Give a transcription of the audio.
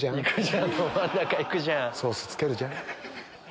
ソースつけるじゃん。